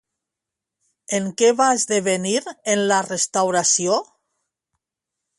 En què va esdevenir en la restauració?